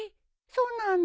そうなの？